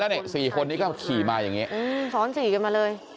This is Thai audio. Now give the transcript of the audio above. นี่๔คนนี้ก็ขี่มาอย่างนี้ซ้อนสี่กันมาเลย